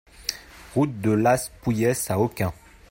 Route de Las Poueyes à Aucun